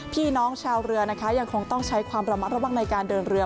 พี่น้องชาวเรือนะคะยังคงต้องใช้ความระมัดระวังในการเดินเรือ